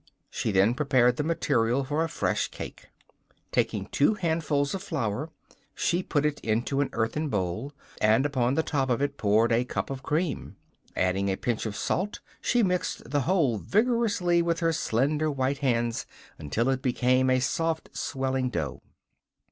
She then prepared the material for a fresh cake. Taking two handfuls of flour, she put it into an earthen bowl, and upon the top of it poured a cup of cream. Adding a pinch of salt, she mixed the whole vigorously with her slender white hands until it became a soft, swelling dough.